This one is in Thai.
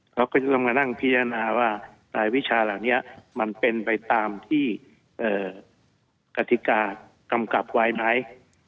เขาก็จะต้องมานั่งพิจารณาว่ารายวิชาเหล่านี้มันเป็นไปตามที่กติกากำกับไว้ไหม